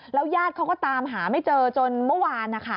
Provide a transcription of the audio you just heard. แล้วยาดเขาก็ตามหาไม่เจอจนเมื่อวาน